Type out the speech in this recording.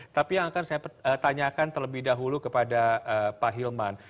tapi yang akan saya tanyakan terlebih dahulu kepada pak hilman